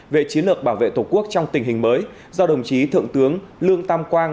về chiến lược bảo vệ tổ quốc trong tình hình mới do đồng chí thượng tướng lương tam quang